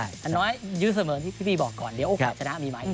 อันน้อยยื้อเสมอที่พี่บีบอกก่อนเดี๋ยวโอกาสชนะมีไหม